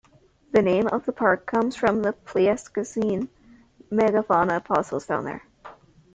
The name of the park comes from the Pleistocene megafauna fossils found there.